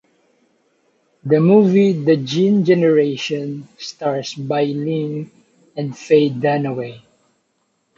The movie, "The Gene Generation", stars Bai Ling and Faye Dunaway.